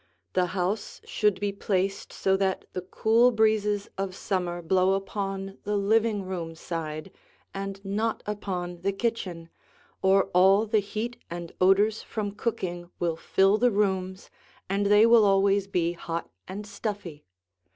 The house should be placed so that the cool breezes of summer blow upon the living room side and not upon the kitchen, or all the heat and odors from cooking will fill the rooms, and they will always be hot and stuffy.